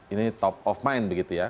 ini top of mind begitu ya